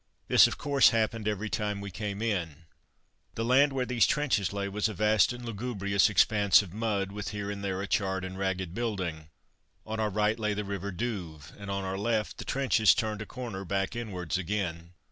This, of course, happened every time we "came in." The land where these trenches lay was a vast and lugubrious expanse of mud, with here and there a charred and ragged building. On our right lay the River Douve, and, on our left, the trenches turned a corner back inwards again.